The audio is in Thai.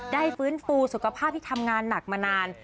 ฟื้นฟูสุขภาพที่ทำงานหนักมานาน